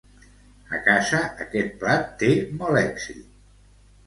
A casa aquest plat té molt èxit!